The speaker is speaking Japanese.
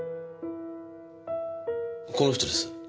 この人です。